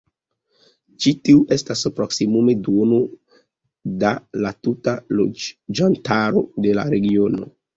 Ĉi tiu estas proksimume duono da la tuta loĝantaro de la regiono.